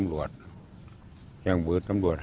อันนั้นน่าจะเป็นวัยรุ่นที่จะเจอวันนี้